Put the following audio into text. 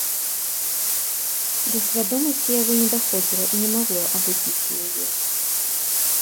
Да свядомасці яго не даходзіла і не магло абудзіць яе.